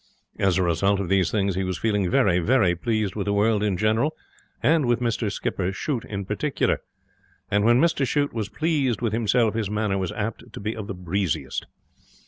As a result of these things he was feeling very, very pleased with the world in general, and with Mr Skipper Shute in particular. And when Mr Shute was pleased with himself his manner was apt to be of the breeziest.